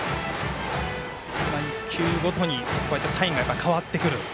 １球ごとにサインが変わってくる。